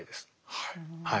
はい。